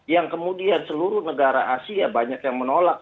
yang kemudian seluruh negara asia banyak yang menolak